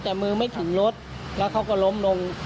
แต่มือไม่ถึงรถแล้วเขาก็ล้มลง